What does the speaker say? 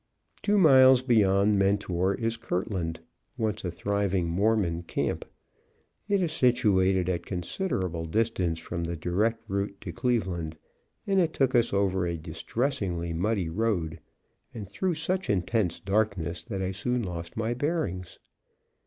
Two miles beyond Mentor is Kirtland, once a thriving Mormon camp. It is situated at considerable distance from the direct route to Cleveland, and it took us over a distressingly muddy road, and through such intense darkness that I soon lost my bearings.